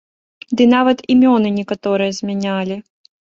Ды нават імёны некаторыя змянялі!